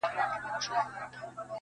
له هنداري څه بېــخاره دى لوېـــدلى